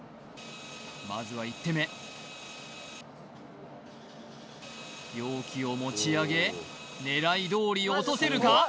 まずは一手目容器を持ち上げ狙いどおり落とせるか？